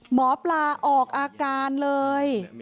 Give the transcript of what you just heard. หมอปลาออกอาการเลย